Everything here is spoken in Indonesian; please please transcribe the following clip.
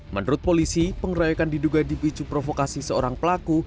menurut polisi pengerayakan diduga dipicu provokasi seorang pelaku